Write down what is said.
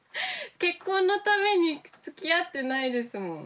結婚のために付き合ってないですもん。